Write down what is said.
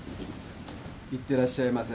行ってらっしゃいませ。